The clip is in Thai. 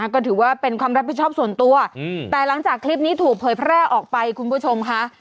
ก็ถือว่าเป็นความรับผิดชอบส่วนตัวแต่หลังจากคลิปนี้ถูกเผยแพร่ออกไปคุณผู้ชมค่ะ